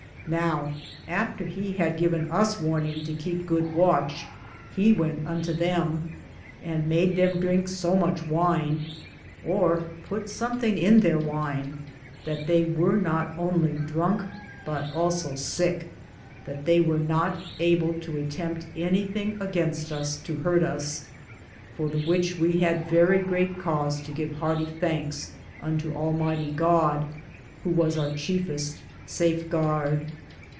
Now, after he had given us warninge to kepe good watche, he wente unto them and made them drinke so muche wyne, or put somthinge in there wyne, that theye weare not only drunke but also sicke, that they weare not able to attempte anythinge againste us to hurt us, for the which we had verrie greate cause to give hartie thanks unto Almyghtie God, who was our chefeste savgaurd.